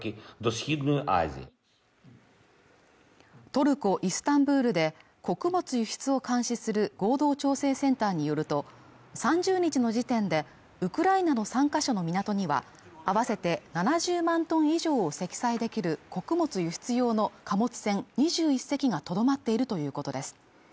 トルコ・イスタンブールで穀物輸出を監視する合同調整センターによると３０日の時点でウクライナの３か所の港には合わせて７０万トン以上を積載できる穀物輸出用の貨物船２１隻がとどまっているということです